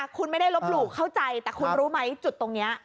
คุณไม่ได้ลบหลู่เข้าใจแต่คุณรู้ไหมจุดตรงนี้